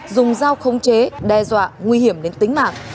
dùng dao khống chế đe dọa nguy hiểm đến tính mạng